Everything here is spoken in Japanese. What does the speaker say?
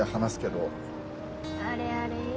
あれあれ？